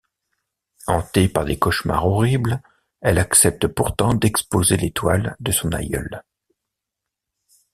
Hantée par des cauchemars horribles, elle accepte pourtant d'exposer les toiles de son aïeul.